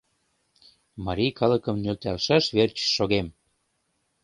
Марий калыкым нӧлталшаш верч шогем.